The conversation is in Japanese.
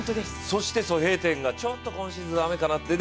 そして蘇炳添がちょっと今シーズン駄目かなと。